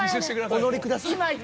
お乗りください。